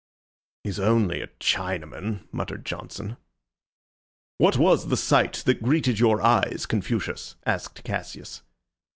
"He's only a Chinaman!" muttered Johnson. "What was the sight that greeted your eyes, Confucius?" asked Cassius.